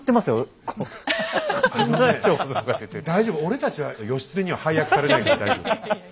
あのね大丈夫俺たちは義経には配役されないから大丈夫。